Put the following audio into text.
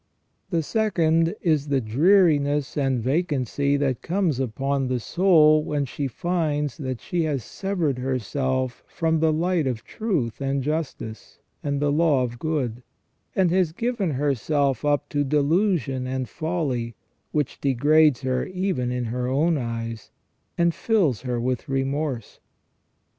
The second is the dreariness and vacancy that comes upon the soul when she finds that she has severed herself from the light of truth and justice, and the law of good, and has given herself up to delusion and folly, which degrades her even in her own eyes, and fills her with remorse.